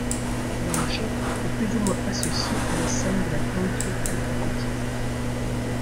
Lambchop est plus ou moins associé à la scène de la country alternative.